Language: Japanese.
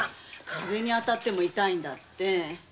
風にあたっても痛いんだって。